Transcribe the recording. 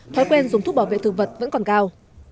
thói quen dùng thuốc bảo vệ thực vật vẫn còn cao